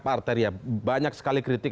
pak arteria banyak sekali kritik